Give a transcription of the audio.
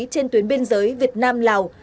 trên tuyến biên giới việt nam lào